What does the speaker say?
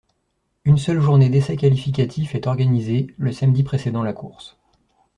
Une seule journée d'essais qualificatifs est organisée, le samedi précédant la course.